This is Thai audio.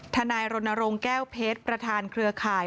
ทนายรณรงค์แก้วเพชรประธานเครือข่าย